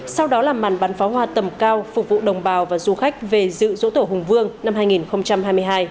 sau đó là màn bắn pháo hoa tầm cao phục vụ đồng bào và du khách về dự dỗ tổ hùng vương năm hai nghìn hai mươi hai